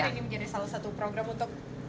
ini menjadi salah satu program untuk